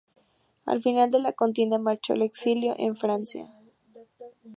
Al final de la contienda marchó al exilio en Francia.